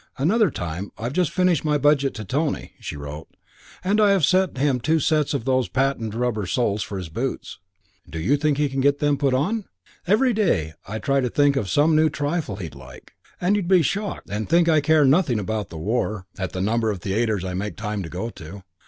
Another time, "I've just finished my budget to Tony," she wrote, "and have sent him two sets of those patent rubber soles for his boots. Do you think he can get them put on? Every day I try to think of some new trifle he'd like; and you'd be shocked, and think I care nothing about the war, at the number of theatres I make time to go to.